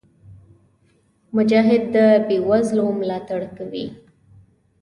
مجاهد د بېوزلو ملاتړ کوي.